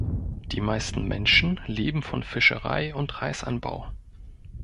Die meisten Menschen leben von Fischerei und Reisanbau.